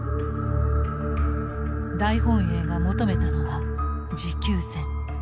大本営が求めたのは持久戦。